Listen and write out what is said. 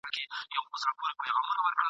موږ که تور یو که بدرنګه یوکارګان یو ..